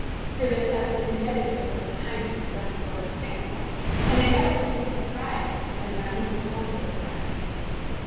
For this I was indebted to the kindness of Lord Stanhope; and I never was more surprised than when I was informed of the fact.